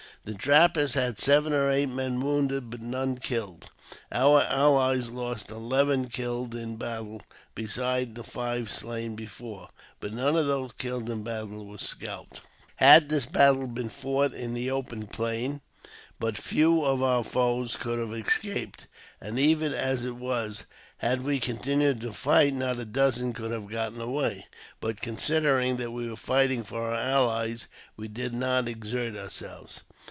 The trappers had seven or eight men wounded, but none killed. Our allies lost eleven killed in battle, besides the five slain before ; but none of those killed in battle were scalped. Had this battle been fought in the open plain, but few of our foes could have escaped ; and even as it was, had we continued to fight, not a dozen could have got away. But^ considering that we were fighting for our allies, we did not exert ourselves.